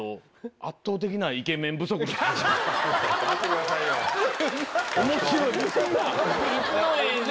圧倒的なイケメン不足ですね。